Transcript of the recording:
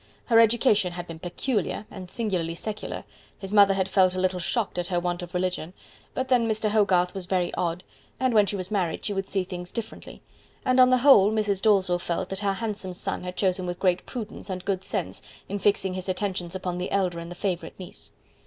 Her education had been peculiar, and singularly secular his mother had felt a little shocked at her want of religion but then Mr. Hogarth was very odd, and when she was married she would see things differently; and on the whole Mrs. Dalzell felt that her handsome son had chosen with great prudence and good sense in fixing his affections upon the elder and the favorite niece.